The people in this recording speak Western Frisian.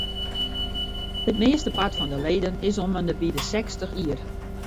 It meastepart fan de leden is om ende by de sechstich jier.